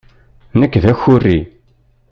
Nekk d akuri.